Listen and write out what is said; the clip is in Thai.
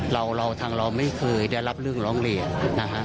เราเราทางเราไม่เคยได้รับเรื่องร้องเรียนนะฮะ